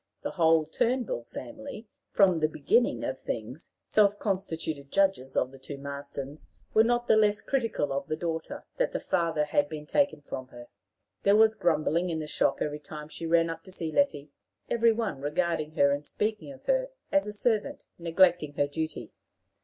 The whole Turnbull family, from the beginnings of things self constituted judges of the two Marstons, were not the less critical of the daughter, that the father had been taken from her. There was grumbling in the shop every time she ran up to see Letty, every one regarding her and speaking of her as a servant neglecting her duty.